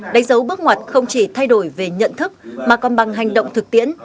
đánh dấu bước ngoặt không chỉ thay đổi về nhận thức mà còn bằng hành động thực tiễn